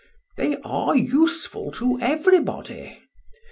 They are useful to everybody.